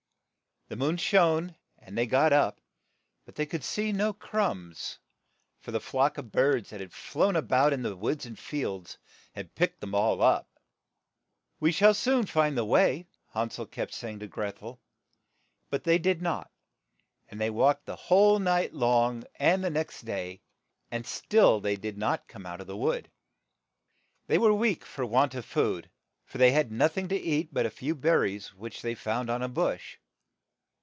The moon shone, and they got up, but they could see no crumbs, for the flocks of birds that had flown a bout in the woods and fields had picked them all up. '' We shall soon find the way," Han sel kept say ing to Greth el; but they did not, and they walked the whole night long and the next day, and still they did not come out of the wood,. They were weak for want of food, for they had noth ing to eat but a few ber ries which they found on a bush.